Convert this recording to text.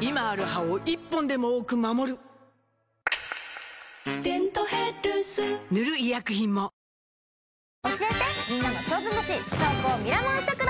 今ある歯を１本でも多く守る「デントヘルス」塗る医薬品もイェイ！